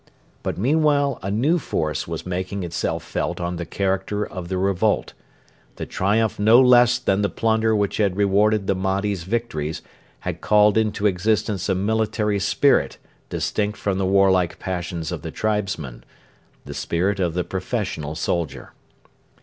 But meanwhile a new force was making itself felt on the character of the revolt. The triumph no less than the plunder which had rewarded the Mahdi's victories had called into existence a military spirit distinct from the warlike passions of the tribesmen the spirit of the professional soldier.